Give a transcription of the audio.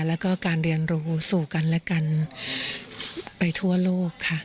แล้วก็การเรียนรู้สู่กันและกันไปทั่วโลกค่ะ